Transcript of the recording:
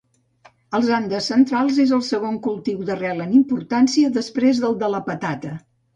Als Andes centrals és el segon cultiu d’arrel en importància després del de la patata.